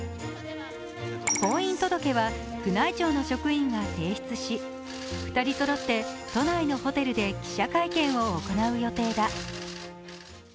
婚姻届は宮内庁の職員が提出し２人そろって都内のホテルで記者会見を行う予定だ。